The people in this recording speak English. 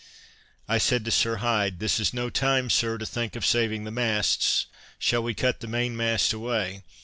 I said to Sir Hyde: "This is no time, Sir, to think of saving the masts, shall we cut the mainmast away?"